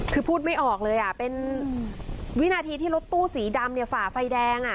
คือพูดไม่ออกเลยเป็นวินาทีที่รถตู้สีดำฝ่าไฟแดง